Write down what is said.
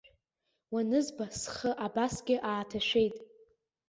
Уанызба, схы абасгьы ааҭашәеит.